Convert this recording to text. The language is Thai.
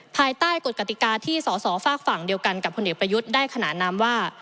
ภายใต้กฎกติกาที่สอสอฝากฝั่งเดียวกันกับพลเอกประยุทธ์ได้ขนานนามว่า